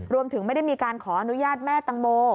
ไม่ได้มีการขออนุญาตแม่ตังโม